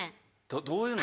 どういうの？